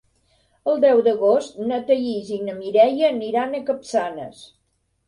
El deu d'agost na Thaís i na Mireia aniran a Capçanes.